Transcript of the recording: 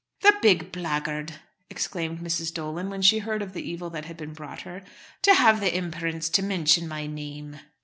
"The big blackguard!" exclaimed Mrs. Dolan, when she heard of the evil that had been brought her; "to have the imperence to mention my name!"